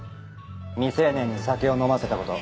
未成年に酒を飲ませたこと。